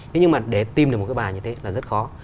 thế nhưng mà để tìm được một cái bài như thế là rất khó